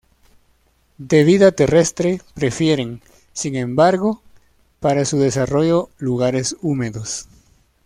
De vida terrestre, prefieren, sin embargo, para su desarrollo lugares húmedos.